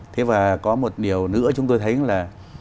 thế và có một điều nữa chúng tôi thấy là